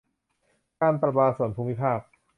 การประปาส่วนภูมิภาค